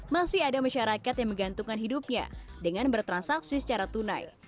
masih ada masyarakat yang menggantungkan hidupnya dengan bertransaksi secara tunai